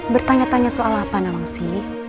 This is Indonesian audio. bertanya tanya soal apa nawansi